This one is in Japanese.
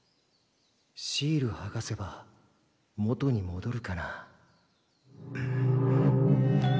シールはがせば元にもどるかな？